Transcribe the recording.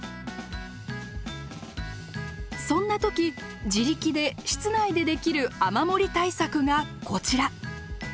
そんな時自力で室内でできる雨漏り対策がこちら。